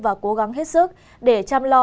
và cố gắng hết sức để chăm lo